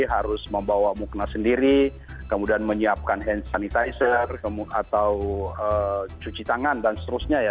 harus membawa mukna sendiri kemudian menyiapkan hand sanitizer atau cuci tangan dan seterusnya ya